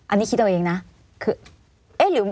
อันนี้คิดตัวเองคือ